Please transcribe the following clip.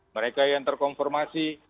mereka yang terkonformasi